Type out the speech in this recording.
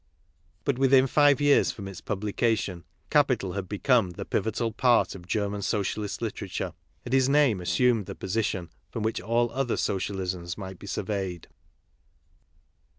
But within five years from its publication Capital had become the pivotal part of German Socialist literature, and his 24 KARL MARX name assumed the position from which all other social isms might be surveyed.